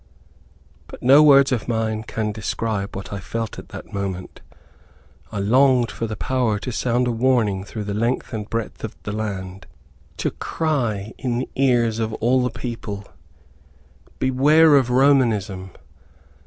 But no words of mine can describe what I felt at that moment. I longed for the power to sound a warning through the length and breadth of the land, to cry in the ears of all the people, "Beware of Romanism!"